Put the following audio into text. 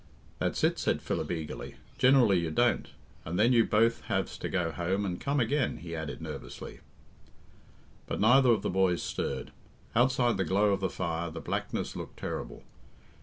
"That's it," said Philip eagerly, "generally you don't and then you both haves to go home and come again," he added nervously. But neither of the boys stirred. Outside the glow of the fire the blackness looked terrible.